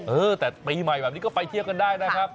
เออแต่ปีใหม่แบบนี้ก็ไปเที่ยวกันได้นะครับ